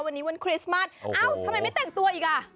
วันนี้วันคริสต์มัสเอ้าทำไมไม่แต่งตัวอีกอ่ะ